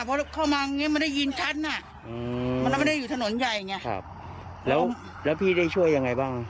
อืมมันไม่ได้อยู่ถนนใหญ่อย่างเงี้ยครับแล้วแล้วพี่ได้ช่วยยังไงบ้าง